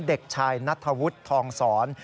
เด็กชายนัทธวุฒิทองศร